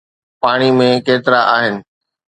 پاڻي ۾ ڪيترا آهن؟